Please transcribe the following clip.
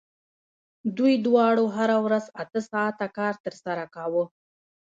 دوی دواړو هره ورځ اته ساعته کار ترسره کاوه